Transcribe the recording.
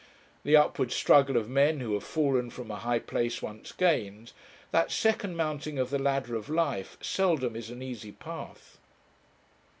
The upward struggle of men, who have fallen from a high place once gained, that second mounting of the ladder of life, seldom is an easy path.